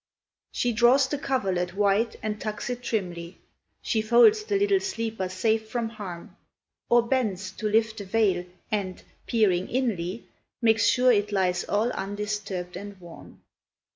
She draws the coverlet white and tucks it trimly, She folds the little sleeper safe from harm; Or bends to lift the veil, and, peering inly, Makes sure it lies all undisturbed and warm.